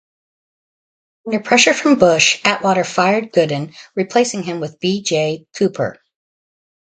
Under pressure from Bush, Atwater fired Goodin, replacing him with B. Jay Cooper.